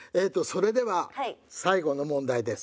それでは最後の問題です。